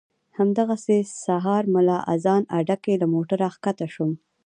همدغسې سهار ملا اذان اډه کې له موټره ښکته شوم.